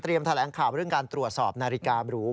แถลงข่าวเรื่องการตรวจสอบนาฬิกาบรู